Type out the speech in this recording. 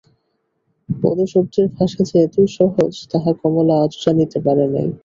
পদশব্দের ভাষা যে এতই সহজ তাহা কমলা আজও জানিতে পারে নাই।